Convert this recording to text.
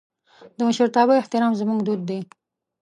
د مشرتابه احترام زموږ دود دی.